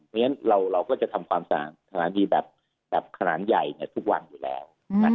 เพราะฉะนั้นเราก็จะทำความสถานีแบบขนาดใหญ่ทุกวันอยู่แล้ว